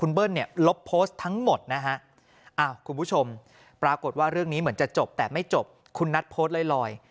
เบิ้ลเนี่ยลบโพสต์ทั้งหมดนะฮะคุณผู้ชมปรากฏว่าเรื่องนี้เหมือนจะจบแต่ไม่จบคุณนัทโพสต์ลอย